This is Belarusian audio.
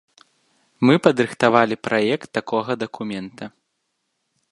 Мы падрыхтавалі праект такога дакумента.